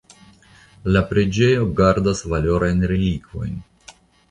La preĝejo gardas valorajn relikvojn.